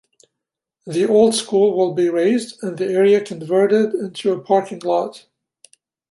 The old school will be razed and the area converted into a parking lot.